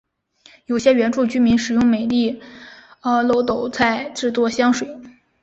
有些原住民使用美丽耧斗菜制作香水。